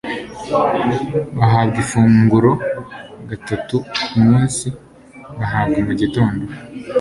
bahabwa ifunguro gatatu ku munsi bahabwa mu gitondo